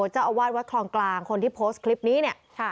เจ้าอาวาสวัดคลองกลางคนที่โพสต์คลิปนี้เนี่ย